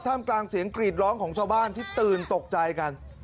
ท่านไกลคนเตินตกใจกัน